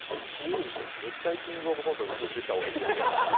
絶対「キングオブコント」に集中した方がいいんですけど。